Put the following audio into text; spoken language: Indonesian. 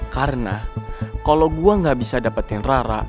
karena kalau gue gak bisa dapetin rara